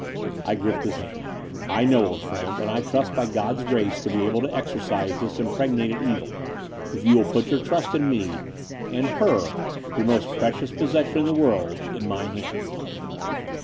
I gripped his hand. "I know, old friend: and I trust by God's grace to be able to exorcise this impregnated evil, if you will put your trust in me, and her — ^your most precious possession in the world — ^in my hands."